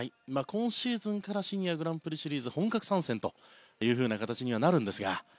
今シーズンからシニアグランプリシリーズ本格参戦というふうな形にはなるんですが。